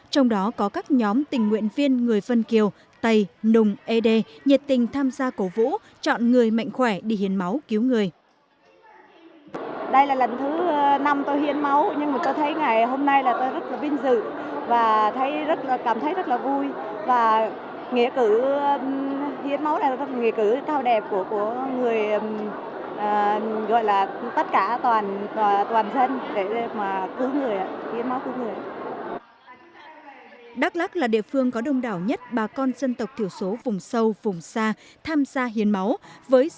trong đó có các nhóm tình nguyện viên người phân kiều tây nùng ede nhiệt tình tham gia cổ vũ chọn người mạnh khỏe đi hiến máu cứu người